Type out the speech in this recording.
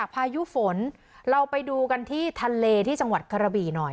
พายุฝนเราไปดูกันที่ทะเลที่จังหวัดกระบี่หน่อย